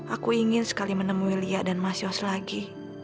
aku ingin sekali menemui lia dan mas yos lagi